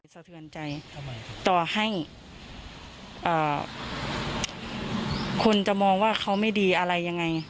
สะเทือนใจต่อให้คนจะมองว่าเขาไม่ดีอะไรยังไง